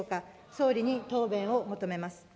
総理に答弁を求めます。